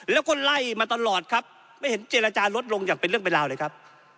แล้วก็ไล่มาตลอดครับไม่เห็นเจรจาลดลงอย่างเป็นเรื่องเป็นราวเลยครับ